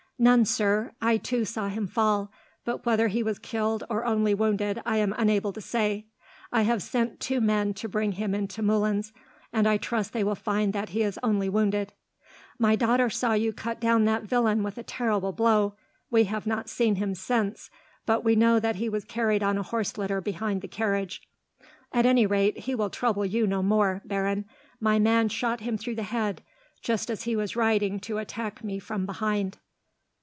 "None, sir. I, too, saw him fall, but whether he was killed, or only wounded, I am unable to say. I have sent two men to bring him into Moulins, and I trust they will find that he is only wounded." "My daughter saw you cut down that villain with a terrible blow. We have not seen him since, but we know that he was carried on a horse litter behind the carriage." "At any rate, he will trouble you no more, Baron. My man shot him through the head, just as he was riding to attack me from behind."